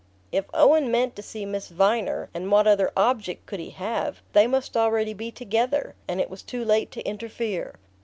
If Owen meant to see Miss Viner and what other object could he have? they must already be together, and it was too late to interfere.